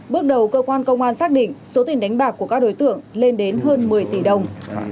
bước đầu cơ quan công an xác định số tiền đánh bạc của các đối tượng lên đến hơn một mươi tỷ đồng